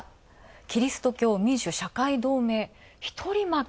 キリスト教民主・社会同盟ひとり負け。